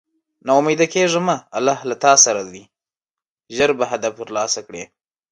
نا اميده کيږه مه الله له تاسره ده ژر به هدف تر لاسه کړی